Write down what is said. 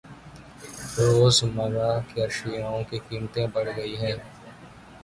روز مرہ کے اشیاوں کی قیمتیں بڑھ گئ ہے۔